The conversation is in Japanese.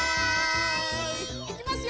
いきますよ。